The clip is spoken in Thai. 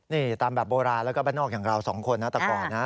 นี่ตามแบบโบราณแล้วก็บ้านนอกอย่างเราสองคนนะแต่ก่อนนะ